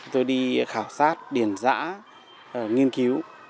tôi đi khảo sát điền giã nghiên cứu